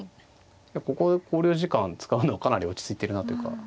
ここで考慮時間使うのかなり落ち着いてるなというか。